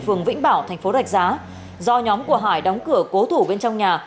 phường vĩnh bảo tp rạch giá do nhóm của hải đóng cửa cố thủ bên trong nhà